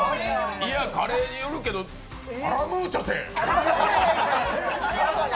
いや、カレーによるけどカラムーチョて！